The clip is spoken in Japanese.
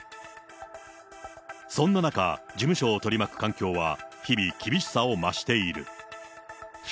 そんな中、事務所を取り巻く環境は日々、厳しさを増している。